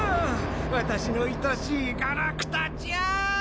私の愛しいガラクタちゃん！